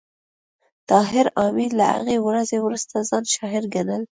طاهر آمین له هغې ورځې وروسته ځان شاعر ګڼل